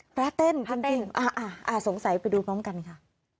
พระเต้นสงสัยไปดูพร้อมกันค่ะ